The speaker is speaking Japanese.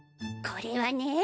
これはね。